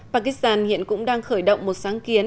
pakistan hiện cũng đang khởi động một sáng kiến